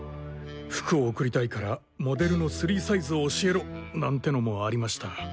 服を贈りたいからモデルのスリーサイズを教えろなんてのもありました。